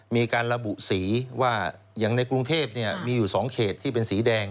มีการระบุสีว่าอย่างในกรุงเทพมีอยู่๒เขตที่เป็นสีแดง